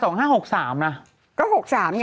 ก็๖๓น่ะใช่ไหมคะ